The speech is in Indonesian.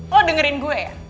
lo dengerin gue ya